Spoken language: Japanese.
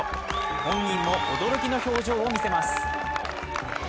本人も驚きの表情を見せます。